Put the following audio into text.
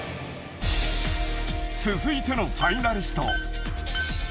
続いてのファイナリスト。